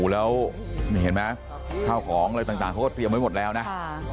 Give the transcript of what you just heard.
แล้วเห็นมั้ยครับเข้าของอะไรต่างต่างเขาก็เตรียมไว้หมดแล้วนะค่ะ